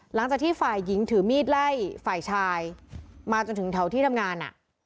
หลังจากที่ฝ่ายหญิงถือมีดไล่ฝ่ายชายมาจนถึงแถวที่ทำงาน